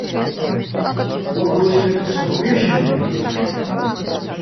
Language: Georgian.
უახლოესი მეტროს სადგურია „შემოვლითი არხი“.